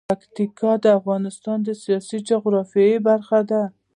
پکتیکا د افغانستان د سیاسي جغرافیه برخه ده.